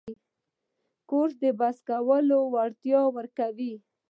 کورس د بحث کولو وړتیا ورکوي.